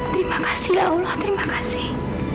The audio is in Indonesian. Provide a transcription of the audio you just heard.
terima kasih ya allah terima kasih